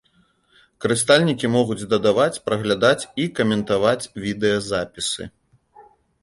Карыстальнікі могуць дадаваць, праглядаць і каментаваць відэазапісы.